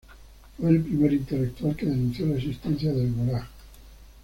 Fue el primer intelectual que denunció la existencia del Gulag.